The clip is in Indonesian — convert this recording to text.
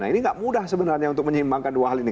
nah ini nggak mudah sebenarnya untuk menyimbangkan dua hal ini